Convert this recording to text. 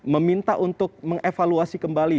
meminta untuk mengevaluasi kembali